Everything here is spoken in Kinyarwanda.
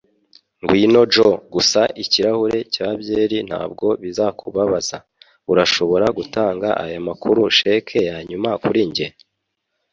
Ngwino, Joe. Gusa ikirahure cya byeri ntabwo bizakubabaza. Urashobora gutanga aya makuru cheque yanyuma kuri njye?